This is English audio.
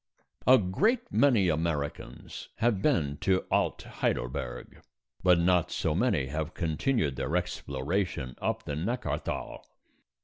A great many Americans have been to Alt Heidelberg, but not so many have continued their exploration up the Neckarthal.